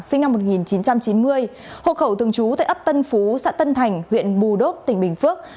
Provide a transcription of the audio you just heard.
sinh năm một nghìn chín trăm chín mươi hộ khẩu thường trú tại ấp tân phú xã tân thành huyện bù đốp tỉnh bình phước